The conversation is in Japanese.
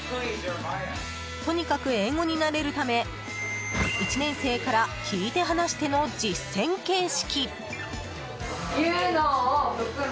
とにかく英語に慣れるため１年生から聞いて話しての実践形式。